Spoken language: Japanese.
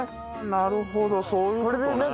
なるほどそういう事ね。